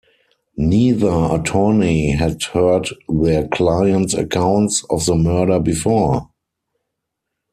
Neither attorney had heard their clients' accounts of the murder before.